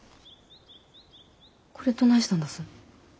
これどないしたんだす？